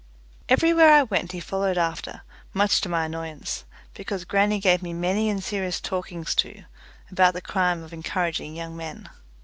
Everywhere I went he followed after, much to my annoyance, because grannie gave me many and serious talkings to about the crime of encouraging young men.